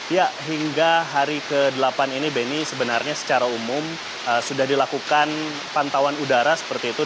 ya hingga hari ke delapan ini benny sebenarnya secara umum sudah dilakukan pantauan udara seperti itu